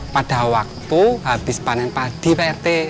pada waktu habis panen padi pak rt